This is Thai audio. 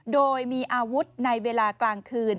โดยมีอาวุธในเวลากลางคืน